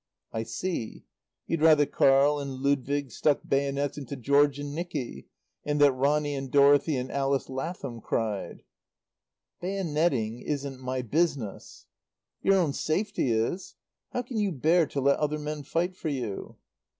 "I see. You'd rather Carl and Ludwig stuck bayonets into George and Nicky, and that Ronny and Dorothy and Alice Lathom cried." "Bayonetting isn't my business." "Your own safety is. How can you bear to let other men fight for you?"